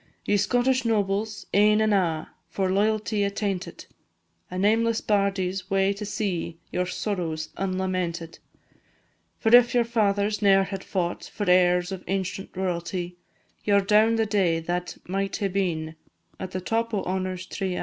Ye Scottish nobles, ane and a', For loyalty attainted, A nameless bardie 's wae to see Your sorrows unlamented; For if your fathers ne'er had fought For heirs of ancient royalty, Ye 're down the day that might hae been At the top o' honour's tree a'.